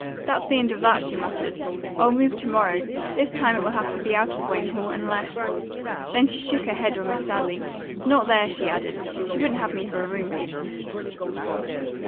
"That's the end of that," she muttered. "I'll move to morrow. This time it will have to be out of Wayne Hall, unless ." Then she shook her head almost sadly: "Not there," she added. "She wouldn't have me for a roommate."